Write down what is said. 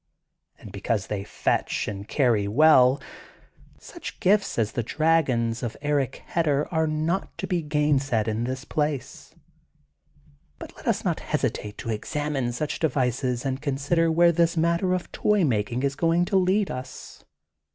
And because they fetch and cany well, snch gifts as the dragons of Eric Hedder are not to be gainsaid in this place. ^^But let ns not hesitate to examine such devices and consider where this matter of toy making is going to lead ns.